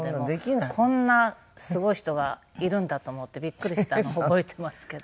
こんなすごい人がいるんだと思ってビックリしたの覚えてますけど。